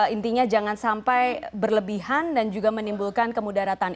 intinya jangan sampai berlebihan dan juga menimbulkan kemudaratan